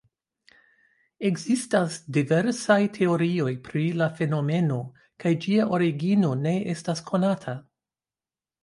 Ekzistas diversaj teorioj pri la fenomeno kaj ĝia origino ne estas konata.